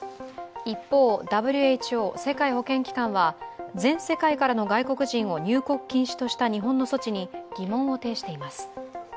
一方、ＷＨＯ＝世界保健機関は全世界からの外国人を入国禁止とした日本の措置に疑問を呈しています。